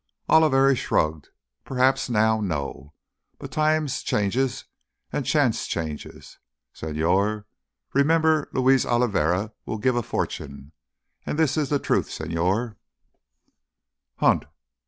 Oliveri shrugged. "Perhaps now, no. But time changes and chance changes, señor. So remember Luis Oliveri will give a fortune—and this is the truth, señor!" "Hunt!"